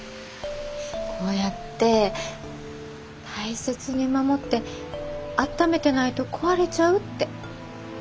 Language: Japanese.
こうやって大切に守ってあっためてないと壊れちゃうって。